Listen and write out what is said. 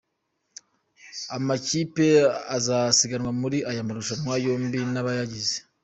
Amakipe azasiganwa muri aya marushanwa yombi n’abayagize:.